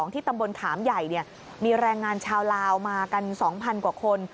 ที่ตำบลขามใหญ่มีแรงงานชาวลาวมากัน๒๐๐กว่าคน